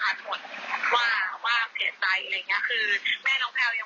คือแม่น้องแพลวยังบอกว่าเออแบบเขาเสียใจแหละเสียลูกชายเราไม่ต้องไปพูดอะไร